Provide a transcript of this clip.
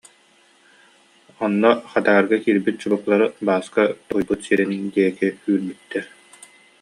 Онно Хадаарга киирбит чубукулары Бааска тоһуйбут сирин диэки үүрбүттэр